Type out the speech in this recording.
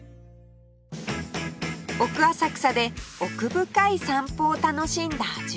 奥浅草で奥深い散歩を楽しんだ純ちゃん